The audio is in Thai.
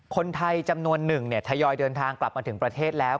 คนไทยจำนวนหนึ่งทยอยเดินทางกลับมาถึงประเทศแล้ว